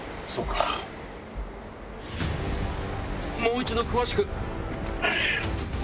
もう一度詳しくうぅ。